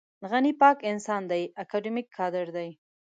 غني پاک انسان دی اکاډمیک کادر دی.